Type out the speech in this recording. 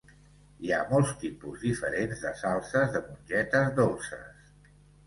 Hi ha molts tipus diferents de salses de mongetes dolces.